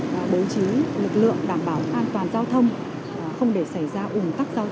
đối chí lực lượng đảm bảo an toàn giao thông không để xảy ra ủng tắc giao thông